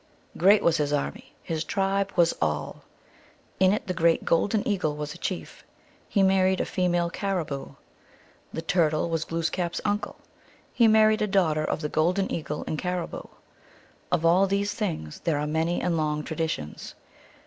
Great was his army, his tribe was All. In it the Great Golden Eagle was a chief ; he married a female Caribou. The Turtle was Glooskap s uncle ; he mar ried a daughter of the Golden Eagle and Caribou. Of all these things there are many and long traditions.